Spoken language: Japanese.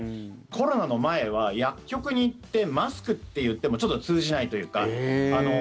コロナの前は薬局に行ってマスクって言ってもちょっと通じないというか。